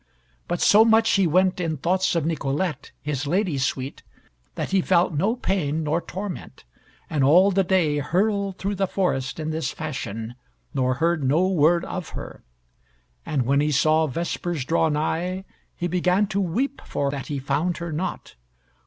But so much he went in thoughts of Nicolette, his lady sweet, that he felt no pain nor torment, and all the day hurled through the forest in this fashion nor heard no word of her. And when he saw vespers draw nigh, he began to weep for that he found her not.